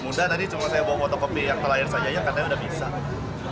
mudah tadi cuma saya bawa fotokopi akte lahir saja aja katanya udah bisa